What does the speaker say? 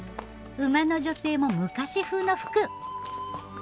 馬の女性も昔風の服！